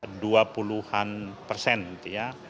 mereka dua puluh an persen ya